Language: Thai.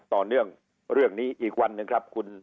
ต่อเนื่องเรื่องนี้อีกวันหนึ่งครับคุณ